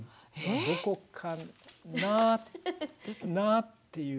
どこかなあ？っていう。